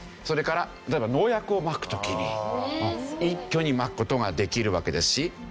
それから例えば農薬をまく時に一挙にまく事ができるわけですし。